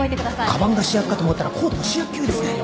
かばんが主役かと思ったらコートも主役級ですね！